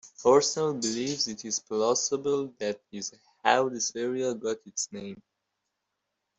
Horsnell believes it is plausible that is how this area got its name.